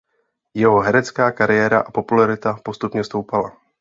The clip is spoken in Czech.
Jeho herecká kariéra a popularita postupně stoupala.